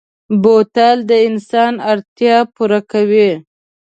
بوتل د انسان اړتیا پوره کوي.